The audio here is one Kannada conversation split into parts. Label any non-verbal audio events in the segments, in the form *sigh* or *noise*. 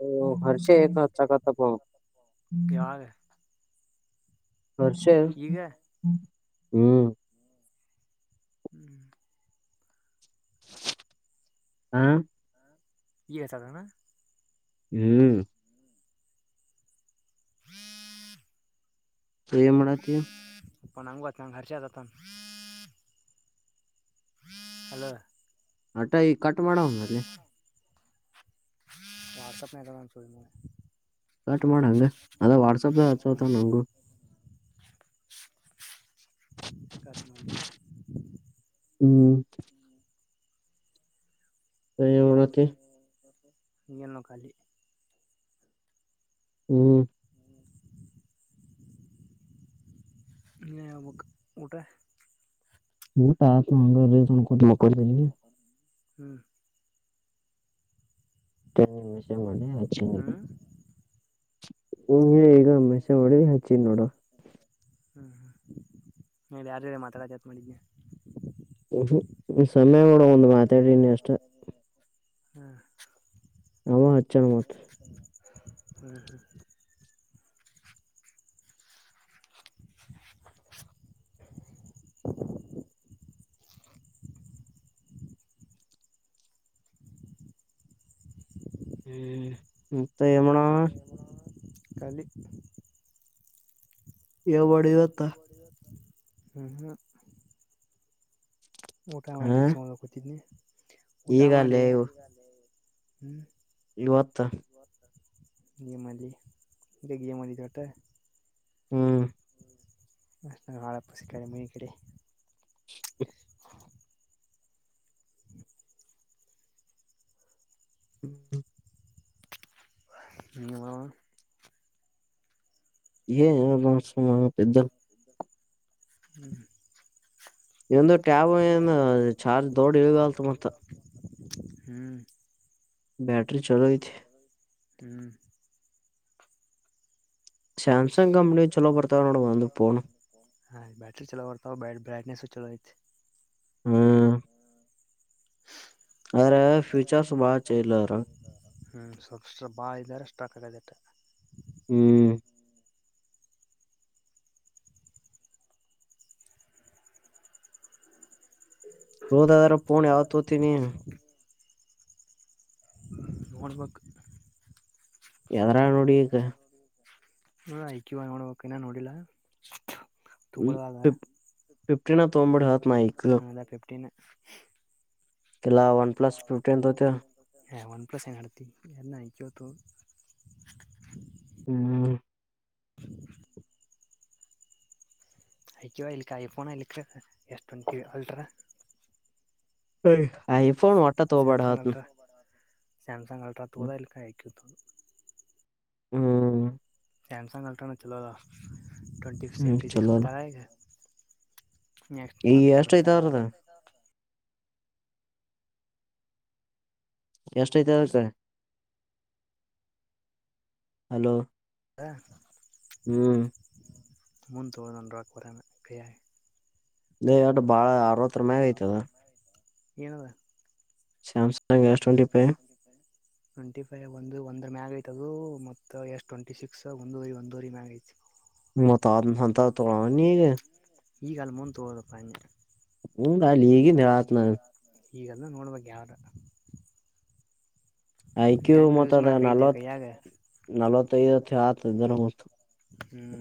ಹೋ ಹರ್ಷೆ ಏಕ ಹರ್ಚ ಕಟ್ಟಪ ಅವ್ನು. ಯಾವಾಗ ಹರ್ಷ ಈಗ ಹ್ಮ್. ಹ್ಮ್. ಹಾ. ಎಸದನ. ಹ್ಮ್. ಏನ್ ಮಾಡತಿಯ. ಪ ನಂಗೊತ್ ನಂಗ್ ಹರ್ಷ. *unintelligible* ಹಲೋ. ಅಟ ಇಗ್ ಕಟ್ ಮಾಡವಂದಲ್ಲಿ. ವಾಟ್ಸಪ್ಪ್ ನಾಗ್ ಅದನ್ ಅವ್ನ್. *unintelligible* ಕಟ್ ಮಾಡವಂದು ಅದ ವಾಟ್ಸಪ್ ನಾಗ್ ಹ್ಮ್ ಹಚ್ಚೋತ ನಂಗು. ಕಟ್ ಮಾಡಿನಿ. ಹ್ಮ್. ಹೇ. *unintelligible* ಇಂಗೆ ನಾವ್ ಕಲಿ. ಹ್ಮ್. *inaudible* ನೀ ಹೇಳ್ಬಕ್ ಊಟ. ಊಟತ್ *unintelligible* ಕುತ್ಕಂದಿನಿ. ಹ್ಮ್. ತನಿಮಾಷೆ ಮಾಡಿ ಹಚ್ಚ. ಹ್ಞೂ ಹ್ಞೂ ನೀ ಈಗಮ್ಮಸೆ ಮಾಡಿ ಹಚ್ಚಿನ್ ನೋಡು. ಹಾ ಹಾ ನೀ ಯಾರಜೊತಿಗ ಮಾತಾಡಾಕತ್ ಮಾಡಿದ್ ನಾ. ಹ್ಮ್ಮ್ ಹ್ಮ್ಮ್ ಸಮಯ ನೋಡ ಒಂದ್ ಮಾತಾಡಿನಿ ಅಷ್ಟ. ಹಾ. ಹಾ ಹಚ್ಚಣಕಿ. ಹ್ಮ್ ಹ್ಮ. ಹ್ಮ ಮತ್ತೆ ಏನ್ಮಾಡ. ಮತ್ತೆ ಏನ್ ಮಾಡನಣ ಕಾಲಿ. ಏನ್ಮಾಡಿಯತ. ಹಹ. ಊಟ ಮಾಡಿಲ್ ಹ ಸುಮ್ನ ಕೂತಿದ್ನಿ ಊಟ ಮಾಡಿ ಈಗಲ್ಲೇ ಹ್ಮ್. ಇವತ್ತ. ಏನ್ ಮಾಡ್ಲಿ ಇಗ್ ಗೇಮ್ ಅಡಿದಾಟ. ಹ್ಮ್. ಹಳದ್ ಬಸ್ ಕಡಿಮಿ ಇಕಡಿ. *inaudible* *inaudible* ಹ್ಮ್. ನಿಮ್ಮವಾ. *inaudible* ಹ್ಮ್. ನಿಂದು ಟ್ಯಾಬ್ ಏನ್ ಚಾರ್ಜ್ ದೊಡದ್ ಅಂತ್ ಬಂತ್. ಹ್ಮ್. ಬ್ಯಾಟ್ರಿ ಚಲೋ ಐತಿ. ಹ್ಮ್ ಸಾಮಸಂಗ್ ಕಂಪ್ನಿ ಚಛಲೋಪರ್ತಾವನೋಡ ಬಂದುಬೋನು ಹಾ್ ಬಟ್ರ ಚಲೋ ಬರ್ತಾವ ಬ ಬ್ರೈಟ್ನೆಸ್ು ಚಲೋ ಐ್ತ್ ಹಾ ಅರೆ ್ಯೂಚರ್ಸ್ ಬಹಳ ಚೆಲ್ಲರ ಹ್ಮ್ ಸಬ್ಸ್ಟ್ರಾ ಬಾ ಇದ್ದಾರೆ ಸ್ಟಕಾಗಾಗಿದೆಟ ಹ್ಮ್ ತೋದಾದ್ರ ಫೋನ್ ಯಾವ್ದ್ ತೋತೀನಿ ನಬೇಕ ಎದರಾ ನೋಡಿಕ್ಕೆ ನಡ ಆಯಕುವ ನೋಡ್ಬೇಕ ನ ನೋಡಿಲ್ಲ ತಗೊಳವಾಗ ಫಿಫ್ಟಿನ ತೋಂಬಡ್ ಹತ್ ನಾಯ್ಕ್ ಅದ ಫಿಫ್ಟೀನ್ ತಲ್ಲ ವನ್ ಪ್ಲಸ್ ಿಫ್ಟಿನ್ತ್ತ ಹಾಂ ಒನ್ ಪ್ಲಾಸ ಎಘಾಟತ ಎನ್ನ ಇ ಚತ್ತು ಹ್ಮ್ ಐ ಕ್ಯೋ ಇಲಿಕ್ಕೆ ಐ ಫೋನ ಇಲಿಕ್ಕೆ ರ ಎಷ್ಟು ಟ್ವೆಂಟೀ ಅಲ್ಟ್ರಾ ಆಐಫೋನ್ ಒಟ್ಟತ್ ಬಡ ಹಾವತ್ನು ಸಾಮಸಂಗ್ಟ್ರ ಅ ತೂುದದಲ್ಲಿಲಿ ಅಯುೋದು ಹ್ಮ್ ಸ್ಯಮಸಂಗ ಅಲ್ಟ್ರಾಾನ ಚಲ ಟ್ವೆಂಟಿ ಹ್ಮ್ ಸೆವೆಂಟಿ ಸಿಕ್ಸ್ ಚಲೋ ಅಲ್ಲ ಬಿಟಾರಗ ನೆಕ್ಸ್ಟ್ ಈಗ ಮತ್ತು ಎಷ್ಟ ಐತ ಬಿಡ್ತಾರೆ ಅವ್ರದ ಅವೇ ಎಷ್ಟೈತ ಅಕ್ಕ ಹಲೋ ಹಾ ಹ್ಮ್ ಮುಂದ ತುುವ ನಂಡ್ರ ಕರ ಕಯಾ ದಯ ಅಟ ಬಾಳ ಅರವತ್ರರ ಮ್ಯಾಗ ಐತದ ಏನದ ಸ್ಯಸಂಗ ಟ್ವೆಂಟಿ ಫೈವ ಒಂದು ಒ ಮ್ಯಾಗ ಐತ ಅದು ಮತ್ತ ಎಸ್ ಟ್ವೆಂಟಿ ಸಿಕ್ಸ್ ಒಂದ ಊರಿ ಒಂದ ಊರಿ ಮ್ಯಾಗ ಐತಿ ಮೊತಾದನಂತ ತೋ ಆ ನೀಗೆ ಈಗ ಅಾಲ ಮುಂದ ತ ಹಗೋದಪ್ಪಾ ಅಂಗೆ ಹಾಲಗ ರಾತ್ನ ಈಗಲ್ಲ ನೋಡ್ಬೇಕ ಯಾವಾರ ಐಕ್ಯು ಮೊತದ ಮಾಡಕ್ ಐತೆ ನಲ್ವತ್ ಕೈಯಾಗ ನಲ್ವತ್ತ ಐವ ಹತ್ ಇದರ ಮ ಹ್ಮ್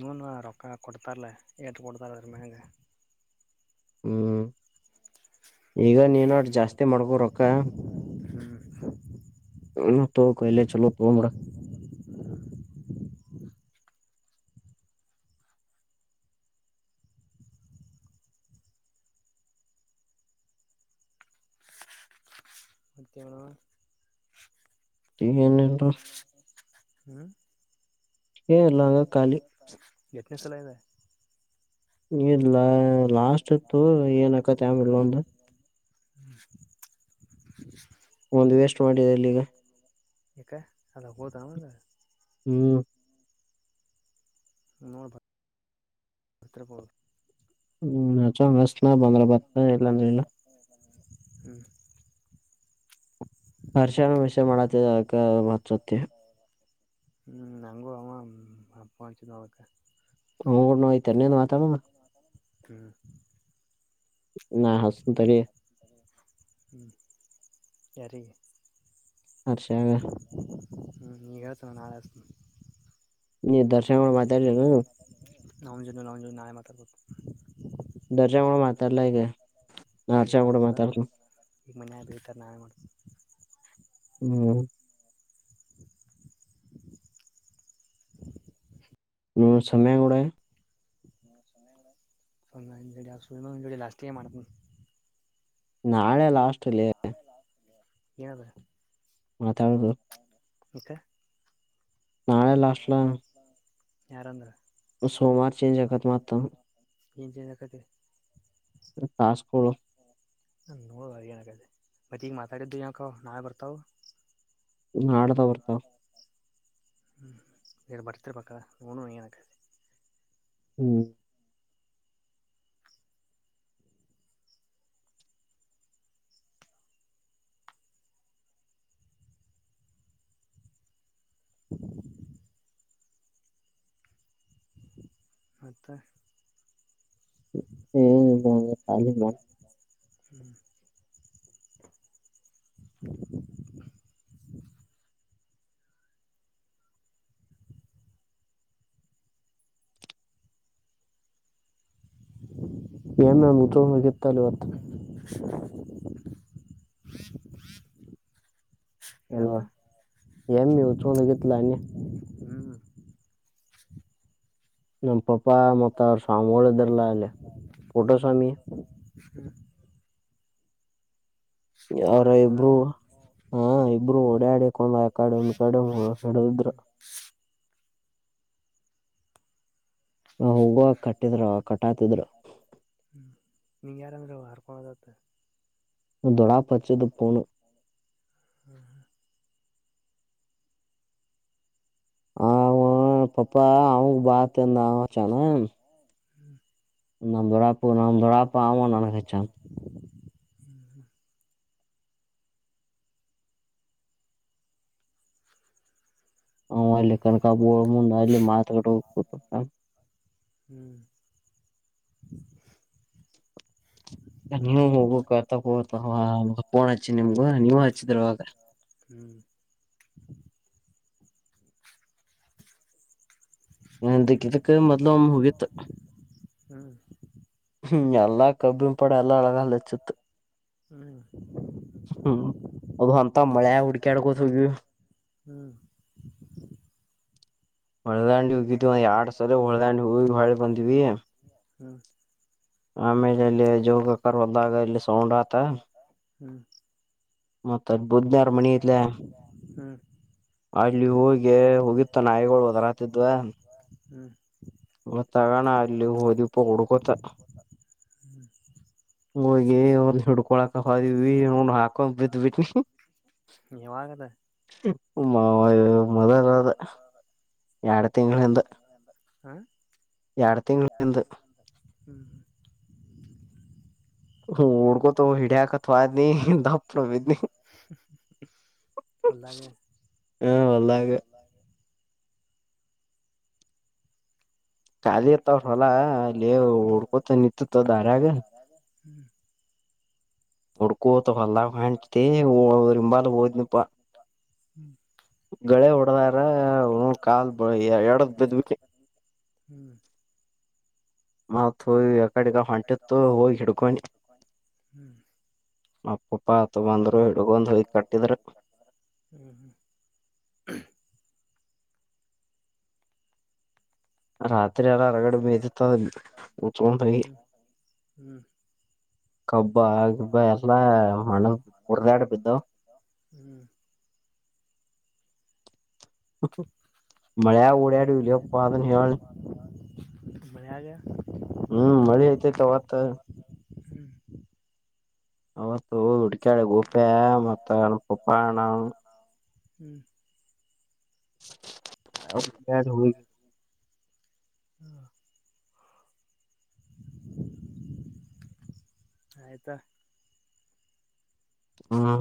ನನು ರೊಕ್ಕ ಕೊಡ್ತಾರಲ್ಲ ಟ್ಟ ಕೊಡ್ತಾರ ಸರಮೇಗೆ ಹ್ಮ್ ಈಗ ನೀನ ಜಾಸ್ತಿ ಮಾಡ್ಬೋರಕ್ಕ ಹ್ಮ್ ಹ್ಮ್ ತ ಕಹಲ ಚಲೋ ತ ಹ ಮತ್ತೇಣ ಸಿನ್ ಹ್ಮ್ ಏ ಇಲ್ಲಂಗ ಖಾಲಿ ಎತ್ನೇ ಸಲ ಇದೆ ಇಲಾ ಲಾಸ್ಟ್ ಇತ್ತು ಏನ್ಕತ್ ಯಾಮ ಇಲ್ಲೊಂದು ಹ್ಮ್ ಒಂದು್ ವೇಸ್ಟ್ ಮಾಡಿದೆ ಇಲ್ಲಿಗ ಈಕ ಅಲ್ಲ ಹದಾವಲ್ಲ ಹ್ಮ್ ನಮ್ಮ ಭ ಹ್ಮ್ ನ ಚಷ್ಟನ ಬಂದ್ರ ಬತ್ತ ಇಲ್ಲಾಂದ್ರ ಇಲ್ಲ. ಹ್ಮ್. ವರ್ಷ ವರ್ಷ ಮಾಡತೇವ ಅದಕ್ಕ ಹಚ್ಚ ಹೊಕ್ಕಿ. ಹ್ಮ್ ನಂಗೂ ಅವ ಅಪ್ಪಚದ ಅವಳಕ. *unintelligible* ಹ್ಮ್. ನಾ ಹಚ್ಚತೇನ ತಡಿ. ಹ್ಮ್ ಯಾರಿಗೆ. ಹರ್ಷಾಗ. ಹ್ಮ್ ನೀ ಹೇಳ್ತ ನ ನಾಳೆಸ್ತನ. ನೀ ದರ್ಶನ್ ಗೂಢ ಮಾತಾಡಲಿಲ್ಲ ಏನ್. ಅವನ ಜೋಡೆ ಅವನ ಜೋಡೇನು ನಾಳೆ ಮಾತಾಡಬೇಕ. ದರ್ಶಾನ ಗೂಡೆ ಮಾತಾಡಲ ಈಗ ನಾ ಈಗ ಹರ್ಷ್ಯ ಗೂಡೆ ಆಗುಲ್ಲ ಮಾತಾಡತೇನ. ಈಗ ಮನ್ಯಾಗ ಬೈತಾರ ನಾಳೆ ಮಾಡ್ತೀನಿ ಹ್ಮ್. ಹ್ಮ ಸಮಯ ನೋಡ. *unintelligible* ನಾಳೆ ಲಾಸ್ಟ್ ಲೆ. ನಾಳೆ ಲಾಸ್ಟ್ ಲೆ ಏನ್ ಅದ. ಮಾತಾಡದು. ಮತ್ತ. ನಾಳೆ ಲಾಸ್ಟ್ ಲಾ. ಯಾರ ಅಂದ್ರ. ಸೋಮಾರ ಚೇಂಜ್ ಅಕಾತ ಮತ್ತ. ಏನ್ ಚೇಂಜ್ ಆಕತಿ. ಟಾಸ್ಕ್ಗಳು ಹ ನೋಡುವ ಏನಾಗದೆ ಮತ್ತ ಈಗ ಮಾತಾಡಿದ್ದು ಲಾಕೋ ನಾಳೆ ಬರ್ತಾವ. ನಾಡದ ಬರ್ತಾವ. ಹ್ಮ್ ಇನ್ ಬರ್ತಿರಬೇಕ ನೋಡುನು ಏನ್ ಅಕ್ಕೆತ್ತ. ಹ್ಮ್. *inaudible* ಮತ್ತ. *unintelligible* ಹ್ಮ್. *inaudible* ಎಮ್ಮೆ ಮುಚ್ಕೊಂಡ್ ಹೋಗಿತ್ತಲ್ಲ ಇವತ್ತು *inaudible* ಹಲೋ ಏನತ್ತ ಎಮ್ಮಿ ಉಚಕೊಂಡ ಹೋಗಿತ್ಲಾ ಅನ್ನಿ. ಹ್ಞೂ ನಮ್ಮ ಪಾಪಾ ಮತ್ತ ಅವ್ರ ಸ್ವಾಮಿಗೋಳ ಇದ್ರ ಲಾ ಅಲ್ಲೇ ಫೋಟೋ ಸ್ವಾಮಿ. ಹ್ಮ್. ಅವರ ಹಿಡ್ಕೊಂಬದಾರ ಇಬ್ರು. ಹಾ ಇಬ್ರು ಓಡಾಡಕ್ ಒಂದ ಅಕಾಡೆಮಿ ಇಕಾಡೆಮಿ ಹಡಿದ್ರ. ಹ್ಞೂ ಹ್ಞೂ ನಾವು ಹೋಗುವ ಕಟ್ಟಿದ್ರು ಕಟಾತಿದ್ರು. ದೊಡ್ಡಪ್ಪ *unintelligible* ಹಚ್ಚಿದ ಫೋನು *inaudible* ಅವ ಪಪ್ಪಾ ಅವಂಗ ಬಾ ಅಂತ ಅಂದ ಅವ ಹಚ್ಚಾನು. ನಮ್ಮ ದೊಡಪನು ನಮ್ಮ ದೊಡ್ಡಪ್ಪ ಆದ ನಂಗ ಹಚ್ಚಾನ. ಹ್ಮ. ಹ್ ಅಲ್ಲಿ ಕನಕಾಬ್ಬ ಮುಂದೆ ಅಲ್ಲಿ ಮಾತಡ ಹೋಗ. ಹ್ಮ್. ನೀವು ಹೋಗ್ಬೇಕು ಅತ ಹತಫೋನ್ ಹಚ್ಚಿ ನಿಮ್ಗ ನೀವ ಹಚ್ಚಿದ್ರ ಅವಾಗ. ಹ್ಮ್. ನಂದಕ್ ಇದಕ ಮೊದ್ಲ ಒಮ್ಮೆ ಹೋಗಿತ್ತ. ಹ್ಞೂ ಹ್ಮ್ ಎಲ್ಲಾ ಕಬ್ಬಿಂ ಪಡ ಎಲ್ಲ ಅಳಗಚ್ಚತ್ತು ಹ್ಞೂ ಹ್ಞೂ ಹ್ಮ್ ಅದು ಅಂತ ಮಳೆ ಹುಡ್ಕ್ಯಾಡ್ಕೋದುವಿ ಹ್ಮ್ ಹೊರ್ದಂಡಿ ಹೋಗಿದೀವ ಎರಡ್ ಸಲ ಹೊದಂಡ ಹೋಗಿ ಬಾಳೆ ಬಂದಿವವಿ ಹಾ ಆಮೇಲೆ ಇಲ್ಲಿ ಜೋಗಕರ್ ಹೋದಾಗ ಇಲ್ಲಿ ಸೌಂಡ್ ಆತ ಹ್ಮ್ ಮತ್ತ ಬು್ಧನರ್ಮಣಿ ಇತ್ಲೆ ಹ್ಞೂ ಹ್ಞೂ ಹ್ಞೂ ಅಲ್ಲಿ ಹಿ ಹೋಗಿತ್ತ ನಾಯಿಗಳು ಹದರಾತಿದ್ವ ಹ್ಮ್ ಒತ್ತಾಗಣ ಅಲ್ಲಿ ಓದಪ ಕೊಡುಕೊುತ್ತ ಹೋಗಿ ಒಂದ್ ಹಿಡ್ಕೊಳಕ ಹದಿವವಿ ನ ಹಾಕೊ್ ಬಿದ ಬಿಿಟ್ಟನಿ ಯವಾಗ ಹ್ಮ ಮೊದಲದು ಯಡ ತಿಂಿಂದ ಹಾ ಯಡ ತಿಂಗಳ ಇಂದೇ ಹ್ಞೂ ಹ್ಞೂ ಹ ಓಳಕೋತ ಹಿಡ್ಯಾಕ ಅಥವಾ ನೀ ದಪ್ಪ ನೀ ಬಿದ್ನಿ ಒಳ್ದಗೆ ಹಾ ಹೊ ಲ್ಲಾಗ ಖಾಲಿ ಇರ್ತವ್ರ ಹೊಲಾ ಅಲ್ಲಿ ಉಡ್ಕೋತ ನಿಂತತ್ ದಾರಾಗ ಹ್ಮ್ ಹುಡ್ಕೋತ ಹೊಲ್ದಾಗ ಹೊಂಟಿ ರಿಂಬಾಲ್ *unintelligible* ಳೆ ಹೊಡದಾರ ಹ ಕಾಲ್ ಬ ಎರಡದ ಬದ್ವಿ ಹ್ಮ್ ಮತ್ ಹಿ ಯಕಡೆಗ ಹೊಂಟಿತ್ತು ಹೋಗಿ ಹಿಡ್ಕನಿ ಹ್ಮ್ ಅಪ್ಪಪ್ಪ ಆತ ಬಂದ್ರು ಹಿಡುಗೊಂದು್ ಹೋಗಿ ಕಟ್ಟಿದ್ರ ಹ್ಮ್ *inaudible* ರಾತ್ರಿ ಅಲ್ಲ ಅರಗಡೆ ಮೀದುತದೆ ಉತ್ಕಟಿ ಹ್ಮ್ ಹ್ಮ್ ಕಬ್ಬ ಗಬ್ಬ ಎಲ್ಲಾ ಹಣ ಹರ್ದಾಡ್ ಬಿದ್ದವು ಹ್ಮ್ ಮಳೆ ಊಡಡ ಇಲಯಪ್ಪದ ಹಳ ಬಿಯಗೆ *unintelligible* *unintelligible* ಹ್ಮ್ ಮಾಡಿ ಆಐತವತ ಹ್ಮ್ ಅವತ್ತು ಉಡಕಡೆ ಗುಫೆ ಮತ್ತ ಪಪ್ಪಣ ಹ್ಮ್ ಅ ಬ್ಯಾದ ಹಗೆ ಹ *inaudible* ಆತಾ ಹಾ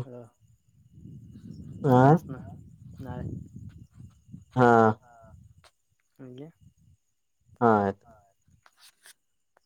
ನಳೆಸನ ನಳೆ ಹಾ ಹಾ ಗೆೇ ಹಾ ಆಯ್ತು *inaudible*